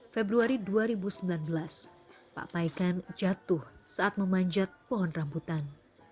februari dua ribu sembilan belas pak paikan jatuh saat memanjat pohon rambutan